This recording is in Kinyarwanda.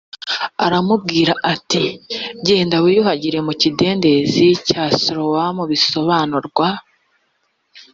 aramubwira ati genda wiyuhagire f mu kidendezi cya silowamubisobanurwa